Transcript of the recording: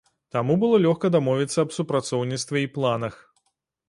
Таму было лёгка дамовіцца аб супрацоўніцтве і планах.